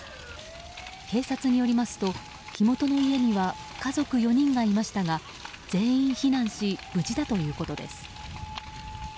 警察によりますと火元の家には家族４人がいましたが全員避難し無事だということです。